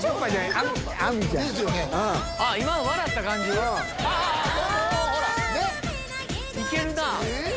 今の笑った感じ。いけるなぁ。